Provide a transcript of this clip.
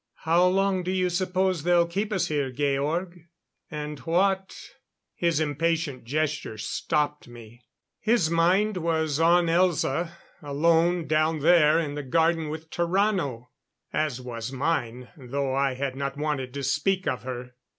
"How long do you suppose they'll keep us here, Georg? And what " His impatient gesture stopped me. His mind was on Elza alone down there in the garden with Tarrano as was mine, though I had not wanted to speak of her.